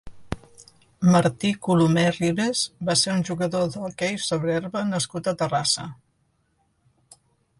Martí Colomer Ribas va ser un jugador d'hoquei sobre herba nascut a Terrassa.